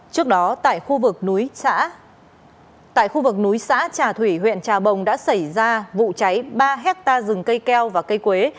trước đó tại khu vực núi xã trà thủy huyện trà bồng đã xảy ra vụ cháy ba hecta rừng cây keo và cây keo